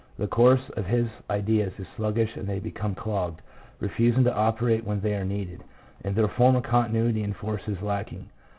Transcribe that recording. The course of his ideas is sluggish and they become clogged, refusing to operate when they are needed, and their former continuity and force is lacking.